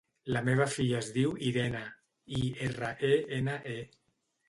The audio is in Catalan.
La meva filla es diu Irene: i, erra, e, ena, e.